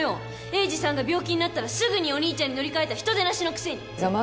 栄治さんが病気になったらすぐにお兄ちゃんに乗り換えた人でなしのくせに！